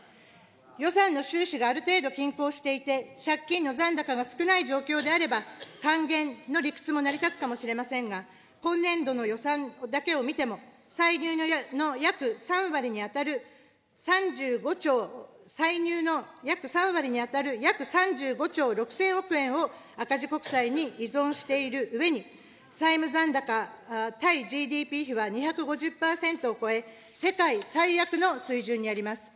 予算の収支がある程度均衡していて、借金の残高が少ない状況であれば、還元の理屈も成り立つかもしれませんが、今年度の予算だけを見ても、歳入の約３割に当たる３５兆、歳入の約３割にあたる約３５兆６０００億円を赤字国債に依存しているうえに、債務残高対ＧＤＰ比は２５０％を超え、世界最悪の水準にあります。